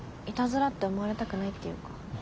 イタズラって思われたくないっていうか。